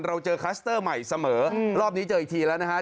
เราเจอคลัสเตอร์ใหม่เสมอรอบนี้เจออีกทีแล้วนะฮะ